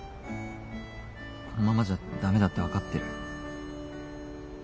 このままじゃダメだって分かってる。